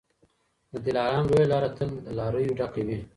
د دلارام لویه لاره تل له لاریو ډکه وي.